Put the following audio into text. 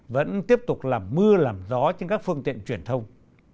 vẫn tiếp tục làm mưa làm gió trên các phương tiện truyền thông